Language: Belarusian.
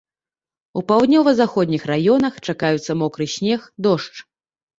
У паўднёва-заходніх раёнах чакаюцца мокры снег, дождж.